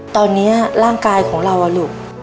ตอนนี้ร่างกายของเราลูก